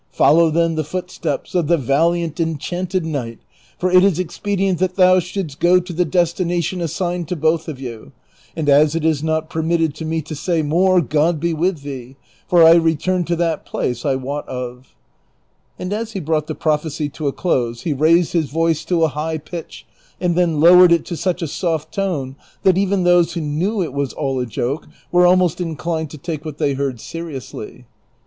Follow then the footsteps of the valiant enchanted knight, for it is expedient that thou shouldst go to the destina tion assigned to both of you ; and as it is not permitted to me to Siiy more, God be with thee ; for I return to that place I wot of ;" and as he brought the prophecy to a close he raised his voice to a high pitch, and then lowered it to such a soft tone, that even those who knew it was all a joke were almost in clined to take what they heard seriously.